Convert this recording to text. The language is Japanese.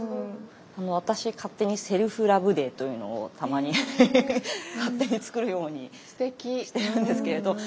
私勝手にセルフラブデーというのをたまに勝手に作るようにしてるんですけれど。